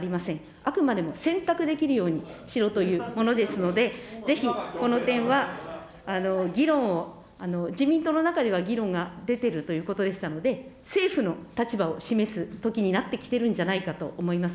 あくまでも選択できるようにしろというものですので、ぜひ、この点は議論を、自民党の中では議論が出てるということでしたので、政府の立場を示すときになってきているんじゃないかと思います。